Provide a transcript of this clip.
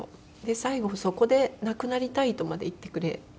最後そこで亡くなりたいとまで言ってくれたんですね。